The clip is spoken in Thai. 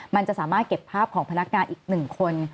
มันจะสามารถเก็บภาพของพนักงานอีก๑คน